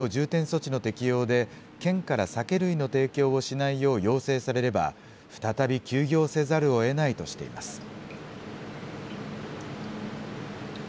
まん延防止等重点措置の適用で、県から酒類の提供をしないよう要請されれば、再び休業せざるをえないとしています。